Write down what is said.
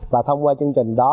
và thông qua chương trình đó